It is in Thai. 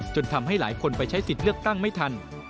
ทำให้หลายคนไปใช้สิทธิ์เลือกตั้งไม่ทัน